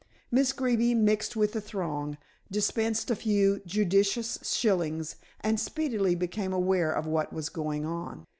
Miss Greeby mixed with the throng, dispensed a few judicious shillings and speedily became aware of what was going on.